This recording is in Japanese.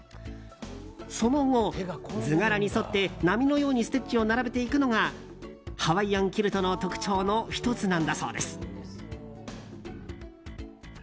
その後、図柄に沿って波のようにステッチを並べていくのがハワイアンキルトの特徴の１つなんだそうです。